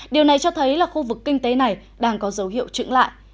điều này cho thấy là khu vực kinh tế này đang có dấu hiệu trưởng lại